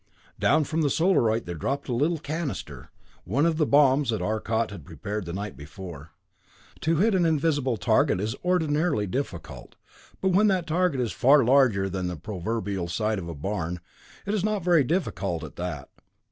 Down from the Solarite there dropped a little canister, one of the bombs that Arcot had prepared the night before. To hit an invisible target is ordinarily difficult, but when that target is far larger than the proverbial side of a barn, it is not very difficult, at that.